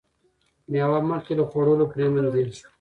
مېوه مخکې له خوړلو پریمنځئ.